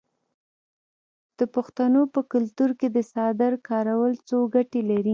د پښتنو په کلتور کې د څادر کارول څو ګټې لري.